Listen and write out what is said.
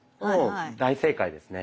大正解ですか？